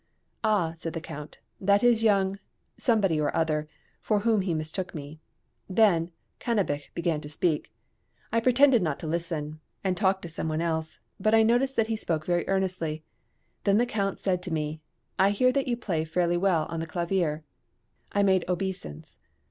"Ah," said the Count, "that is young ," somebody or other for whom he mistook me. Then Cannabich began to speak. I pretended not to listen, and talked to some one else, but I noticed that he spoke very earnestly. Then the Count said to me, "I hear that you play fairly well on the clavier." I made an obeisance.